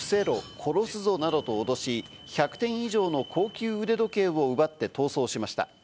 殺すぞなどとおどし、１００点以上の高級腕時計を奪って逃走しました。